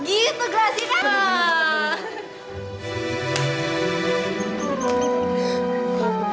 gitu gelasnya kan